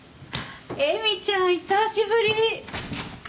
絵美ちゃん久しぶり！